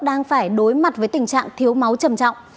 đang phải đối mặt với tình trạng thiếu máu trầm trọng